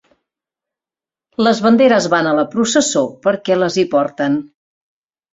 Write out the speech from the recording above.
Les banderes van a la processó perquè les hi porten.